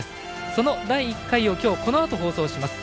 その第１回を今日、このあと放送します。